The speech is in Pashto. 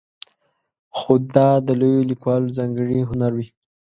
خو دا د لویو لیکوالو ځانګړی هنر وي.